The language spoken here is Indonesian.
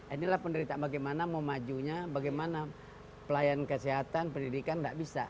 inilah penderitaan bagaimana memajunya bagaimana pelayanan kesehatan pendidikan tidak bisa